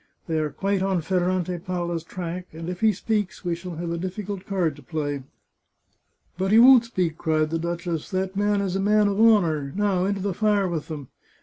They are quite on Ferrante Palla's track, and if he speaks, we shall have a difficult card to play." " But he won't speak," cried the duchess. " That man is a man of honour ! Now into the fire with them